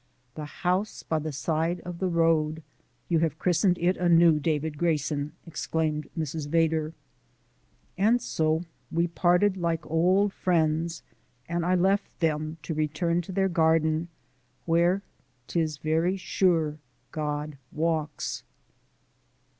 "The House by the Side of the Road you have christened it anew, David Grayson," exclaimed Mrs. Vedder. And so we parted like old friends, and I left them to return to their garden, where "'tis very sure God walks."